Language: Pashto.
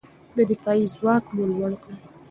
دفاعي ځواک مو لوړ کړئ.